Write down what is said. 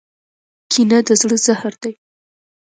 کینه د زړه زهر دی.